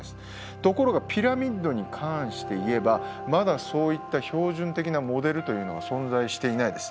ところがピラミッドに関して言えばまだそういった標準的なモデルというのが存在していないです。